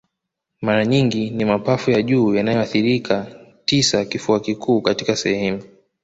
Mara nyingi ni mapafu ya juu yanayoathirika tisa Kifua kikuu katika sehemu